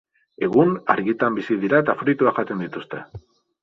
Egun-argitan bizi dira eta fruituak jaten dituzte.